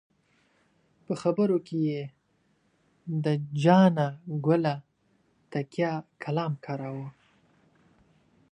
په خبرو کې یې د جانه ګله تکیه کلام کاراوه.